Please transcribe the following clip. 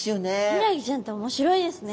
ヒイラギちゃんって面白いですね。